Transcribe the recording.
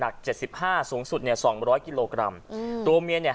เจ็ดสิบห้าสูงสุดเนี่ยสองร้อยกิโลกรัมอืมตัวเมียเนี่ย